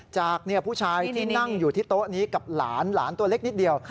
จากผู้ชายที่นั่งอยู่ที่โต๊ะนี้กับหลานหลานตัวเล็กนิดเดียว